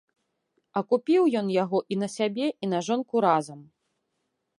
А купіў ён яго і на сябе і на жонку разам.